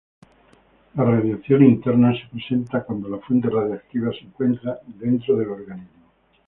La radiación interna se presenta cuando la fuente radiactiva se encuentra dentro del organismo.